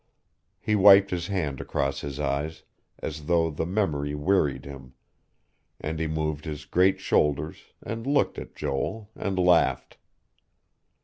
He wiped his hand across his eyes, as though the memory wearied him; and he moved his great shoulders, and looked at Joel, and laughed.